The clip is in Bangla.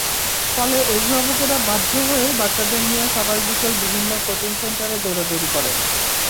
ফলে অভিভাবকেরা বাধ্য হয়েই বাচ্চাদের নিয়ে সকাল-বিকেল বিভিন্ন কোচিং সেন্টারে দৌড়াদৌড়ি করেন।